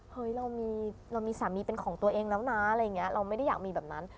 เฮ้ยเรามีสามีเป็นของตัวเองแล้วนะอะไรอย่างนี้เราไม่ได้อยากมีแบบนั้น